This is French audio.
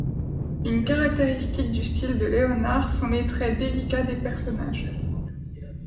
Une caractéristique du style de Leonhard sont les traits délicats des personnages.